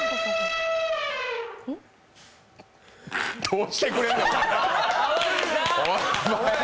どうしてくれんの。